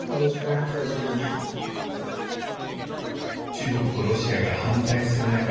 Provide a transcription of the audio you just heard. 中国とロシアが反対する中